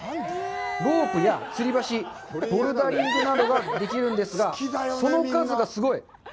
ロープや、つり橋、ボルダリングなどができるんですが、その数がすごい！